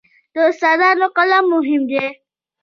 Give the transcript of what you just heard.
د استادانو قلم مهم دی.